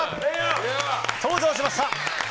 登場しました。